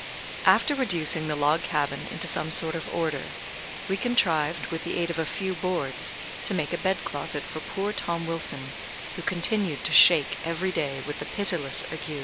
After reducing the log cabin into some sort of order, we contrived, with the aid of a few boards, to make a bed closet for poor Tom Wilson, who continued to shake every day with the pitiless ague.